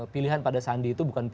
pilihan pada sandi itu bukan